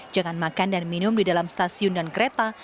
jangan makan dan minum di dalam stasiun dan kereta